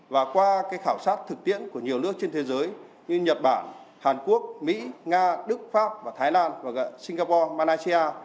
và qua khảo sát thực tiễn của nhiều nước trên thế giới như nhật bản hàn quốc mỹ nga đức pháp và thái lan và singapore malaysia